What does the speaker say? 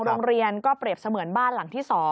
โรงเรียนก็เปรียบเสมือนบ้านหลังที่๒